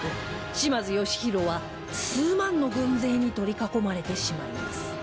島津義弘は数万の軍勢に取り囲まれてしまいます